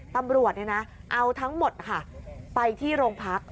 ตำรวจเอาทั้งหมดค่ะไปที่โรงพัก